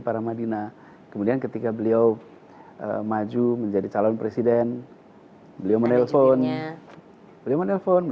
paramadina kemudian ketika beliau maju menjadi calon presiden beliau menelponnya beliau menelpon